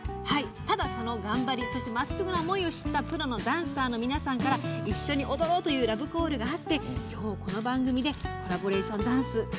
ただ、その頑張りまっすぐな思いを知ったプロのダンサーの皆さんから一緒に踊ろうというラブコールがあって今日、この番組でコラボレーションダンス。